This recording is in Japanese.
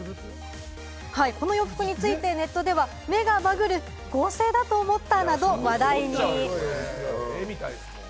この洋服についてネットでは目がバグる、合成だと思ったなどと話題に。